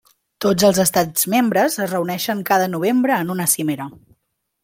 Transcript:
Tots els estats membres es reuneixen cada novembre en una cimera.